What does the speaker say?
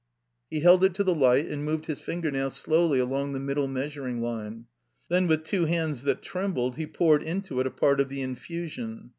He held it to the light and moved his finger nail slowly along the middle measuring line. Then with two hands that trembled he poured into it a part of the infusion.